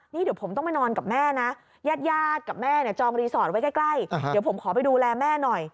นี่เดี๋ยวผมต้องไปนอนกับแม่นะญาติกับแม่เนี่ยจองรีสอร์ทไว้ใกล้เดี๋ยวผมขอไปดูแลแม่หน่อย